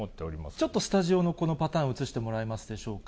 ちょっとスタジオのこのパターン、映してもらえますでしょうか。